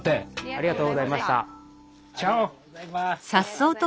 ありがとうございます。